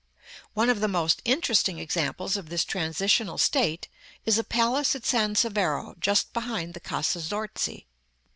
One of the most interesting examples of this transitional state is a palace at San Severo, just behind the Casa Zorzi.